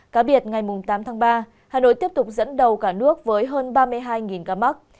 cá biệt ngày tám tháng ba hà nội tiếp tục dẫn đầu cả nước với hơn ba mươi hai ca mắc